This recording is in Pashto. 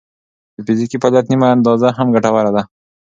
د فزیکي فعالیت نیمه اندازه هم ګټوره ده.